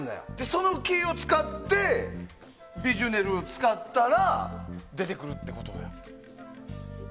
そのキーを使ってヴィジュネルを使ったら出てくるってことや。